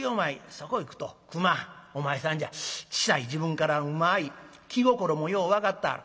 そこいくと熊お前さんじゃ小さい時分からうまい気心もよう分かってはる。